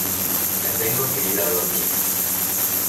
me tengo que ir a dormir.